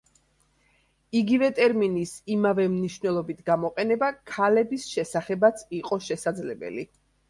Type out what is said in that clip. იგივე ტერმინის იმავე მნიშვნელობით გამოყენება ქალების შესახებაც იყო შესაძლებელი.